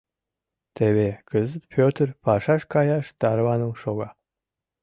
Теве кызыт Пӧтыр пашаш каяш тарваныл шога.